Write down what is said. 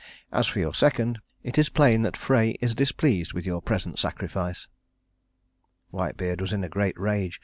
As for your second, it is plain that Frey is displeased with your present sacrifice." Whitebeard was in a great rage.